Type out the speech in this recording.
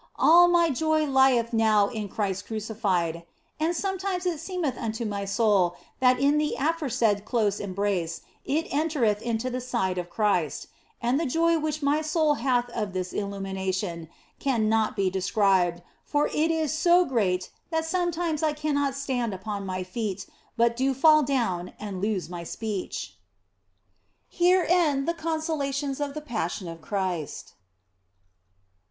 All my joy lieth now in Christ Crucified, and sometimes it seemeth unto my soul that in the aforesaid close embrace it entereth into the side of Christ and the joy which my soul hath of this illumination cannot be described, for it is so great that sometimes I cannot stand upon my feet, but do fall down and lose my speech. Here end the Consolations of the Passion of Christ.